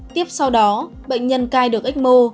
tiếp sau đó bệnh nhân cai được ecmo